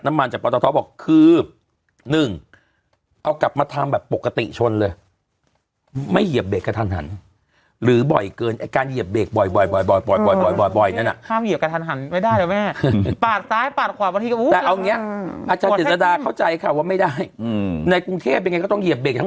นะครับประหยัดน้ำมั่น